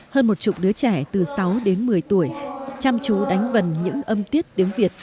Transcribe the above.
hơn một chục đứa trẻ từ sáu đến một mươi tuổi chăm chú đánh vần những âm tiết tiếng việt